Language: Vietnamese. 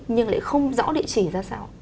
nhưng lại không rõ địa chỉ ra sao